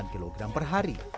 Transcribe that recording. delapan kg per hari